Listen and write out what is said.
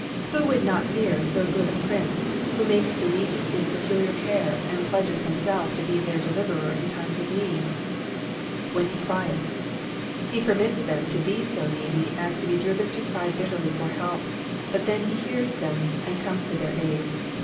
Who would not fear so good a Prince, who makes tlie needy his peculiar care, and pledges himself to be their deliverer in times of need? *"' Wlicn he ci'ieth.'^'' He permits them to be so needy as to be driven to cry bitterly for help, but then he hears them, and comes to their aid.